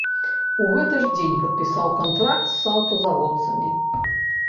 У гэты ж дзень падпісаў кантракт з аўтазаводцамі.